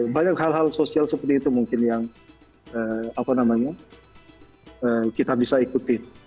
banyak hal hal sosial seperti itu mungkin yang kita bisa ikuti